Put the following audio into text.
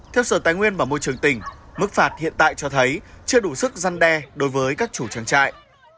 theo sở tài nguyên và môi trường tỉnh mức phạt hiện tại cho thấy chưa đủ sức gian đe đối với các chủ trang trại